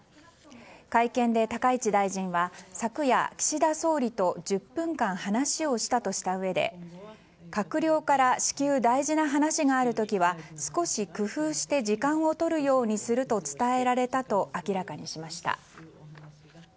会見で高市大臣は昨夜、岸田総理と１０分間、話をしたとしたうえで閣僚から至急、大事な話がある時は少し工夫して時間をとるようにすると伝えられたと明らかにしました。